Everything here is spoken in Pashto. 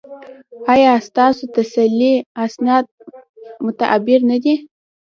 ایا ستاسو تحصیلي اسناد معتبر نه دي؟